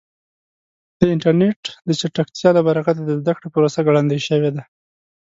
د انټرنیټ د چټکتیا له برکته د زده کړې پروسه ګړندۍ شوې ده.